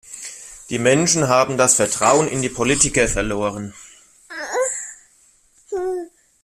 Die Menschen haben das Vertrauen in die Politiker verloren.